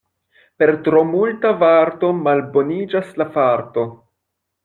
Per tro multa varto malboniĝas la farto.